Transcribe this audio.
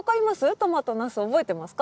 トマトナス覚えてますか？